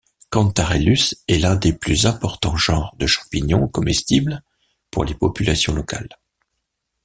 Cantharellus est l'un des plus importants genres de champignons comestibles pour les populations locales.